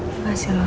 terima kasih loh